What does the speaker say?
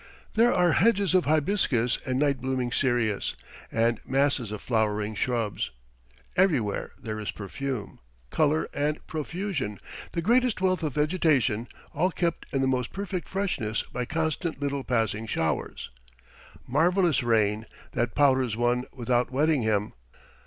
There are hedges of hibiscus and night blooming cereus, and masses of flowering shrubs. Everywhere there is perfume, colour and profusion, the greatest wealth of vegetation, all kept in the most perfect freshness by constant little passing showers "marvelous rain, that powders one without wetting him!"